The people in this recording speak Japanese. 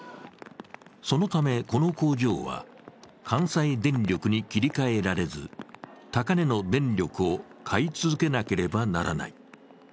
そのため、この工場は関西電力に切り替えられず高値の電力を買い続けなければならない。